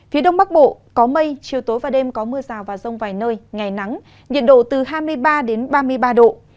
phía đông bắc bộ có mây chiều tối và đêm có mưa rào và rông vài nơi ngày nắng nhiệt độ từ hai mươi ba đến ba mươi ba độ